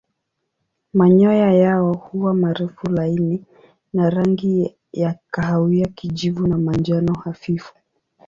Manyoya yao huwa marefu laini na rangi kati ya kahawia kijivu na manjano hafifu.